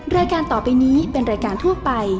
รายการต่อไปนี้เป็นรายการทั่วไป